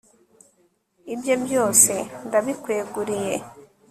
ibye byose ndabikweguriye